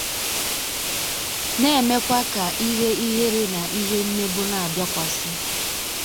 na-emekwa ka ihe ihere na ihe mmebọ na-abịakwasị